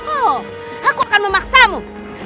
oh aku akan memaksamu